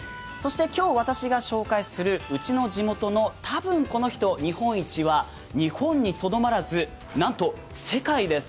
今日、私が紹介する「ウチの地元のたぶんこの人日本一」は、日本にとどまらず、なんと世界です